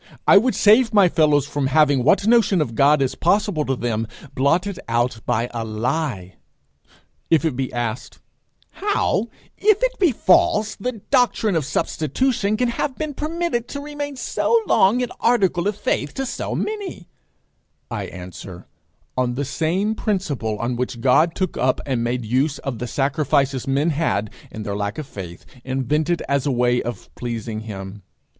I would save my fellows from having what notion of God is possible to them blotted out by a lie. If it be asked how, if it be false, the doctrine of substitution can have been permitted to remain so long an article of faith to so many, I answer, On the same principle on which God took up and made use of the sacrifices men had, in their lack of faith, invented as a way of pleasing him.